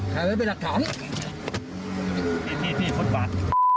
ถ่ายไว้เป็นรักฐานพี่พี่พุทธบาท